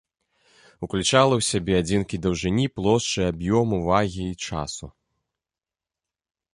Уключала ў сябе адзінкі даўжыні, плошчы, аб'ёму, вагі і часу.